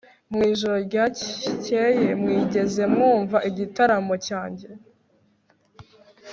mwijoro ryakeye mwigeze mwumva igitaramo cyanjye